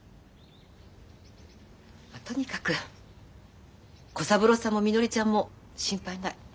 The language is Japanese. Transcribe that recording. とにかく小三郎さんもみのりちゃんも心配ない。